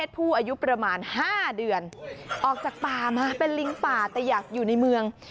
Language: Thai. ผู้อายุประมาณ๕เดือนออกจากป่ามาเป็นลิงป่าแต่อยากอยู่ในเมือง